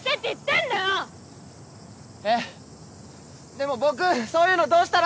でも僕そういうのどうしたらいいか。